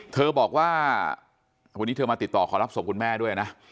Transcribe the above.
เธอบอกว่าวันนี้เธอมาติดต่อขอรับศพคุณแม่ด้วยนะ